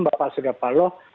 bapak surya paloh